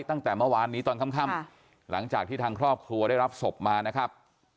ตั้งแต่เมื่อวานนี้ตอนค่ำหลังจากที่ทางครอบครัวได้รับศพมานะครับ